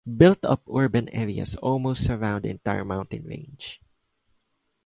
Built up urban areas almost surround the entire mountain range.